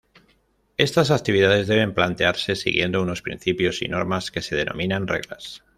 Estas actividades deben plantearse siguiendo unos principios y normas que se denominan Reglas.